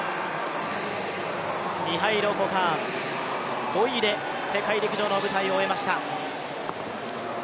ミハイロ・コカーン、５回で世界陸上の舞台を終えました。